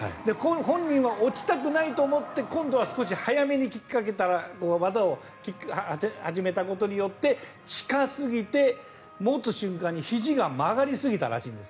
本人は落ちたくないと思って今度は少し早めにかけた技を技を始めたことによって近すぎて持つ瞬間にひじが曲がりすぎたらしいんです。